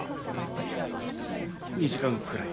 いや２時間くらい。